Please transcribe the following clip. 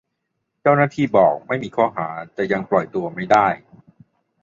เจ้าหน้าที่บอกไม่มีข้อหา-แต่ยังปล่อยตัวไม่ได้